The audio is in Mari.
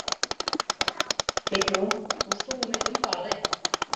Петю... кушто улметым пале...